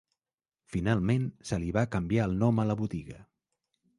Finalment, se li va canviar el nom a la botiga.